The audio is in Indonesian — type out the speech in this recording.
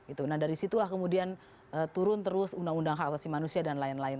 itu nah dari situlah kemudian turun terus undang undang khasasi manusia dan lain lain